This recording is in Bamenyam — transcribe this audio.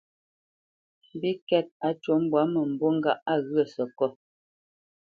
Mbîkɛ́t á cû mbwǎ mə̂mbû ŋgâʼ á ŋgyə̂ səkót.